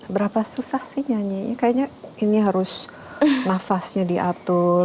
berapa susah sih nyanyinya kayaknya ini harus nafasnya diatur